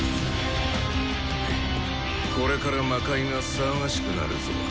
これから魔界が騒がしくなるぞ。